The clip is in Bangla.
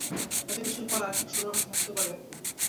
এতকিছুর পর আর কী শোনার থাকতে পারে?